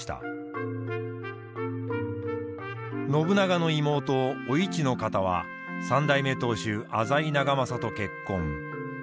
信長の妹お市の方は３代目当主浅井長政と結婚。